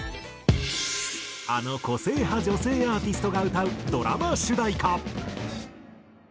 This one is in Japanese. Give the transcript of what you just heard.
あの個性派女性アーティストが歌うドラマ主題歌。